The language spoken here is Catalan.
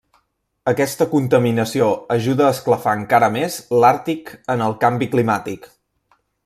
Aquesta contaminació ajuda a esclafar encara més l'Àrtic en el canvi climàtic.